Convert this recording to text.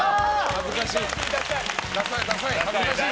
恥ずかしい。